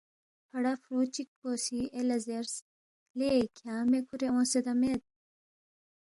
فڑا فرُو چِک پو سی اے لہ زیرس، ”لے کھیانگ مے کُھورے اونگسیدا مید؟“